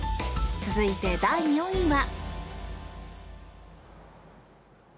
続いて、第４位は。